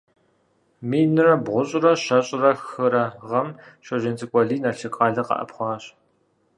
Минрэ бгъущIрэ щэщIрэ хырэ гъэм Щоджэнцӏыкӏу Алий Налшык къалэ къэӏэпхъуащ.